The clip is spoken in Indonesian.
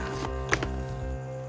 kasih ke rumah sakit sekarang